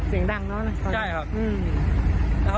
เสียงดังเนอะใช่ครับ